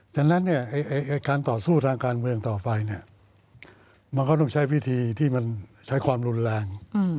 ฉะนั้นการต่อสู้ทางการเมืองต่อไปมันก็ต้องใช้วิธีที่มันใช้ความรุนแรง